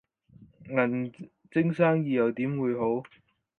銀晶生意又點會好